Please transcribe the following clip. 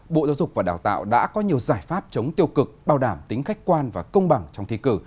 bộ giáo dục và đào tạo đã có nhiều giải pháp chống tiêu cực bảo đảm tính khách quan và công bằng trong thi cử